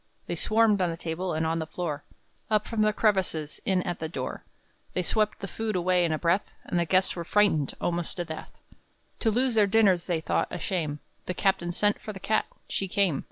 They swarmed on the table, and on the floor, Up from the crevices, in at the door, They swept the food away in a breath, And the guests were frightened almost to death! To lose their dinners they thought a shame. The captain sent for the cat. She came!